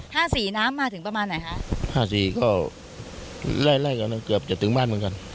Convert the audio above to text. ห้าสี่น้ำมาถึงประมาณไหนคะห้าสี่ก็ไล่ไล่กันเกือบจะถึงบ้านเหมือนกัน